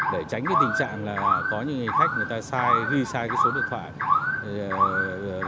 để tránh cái tình trạng là có những người khách người ta ghi sai cái số điện thoại